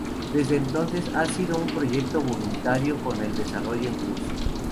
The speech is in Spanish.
Desde entonces, ha sido un proyecto voluntario con el desarrollo en curso.